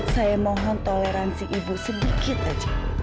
saya mohon toleransi ibu sedikit aja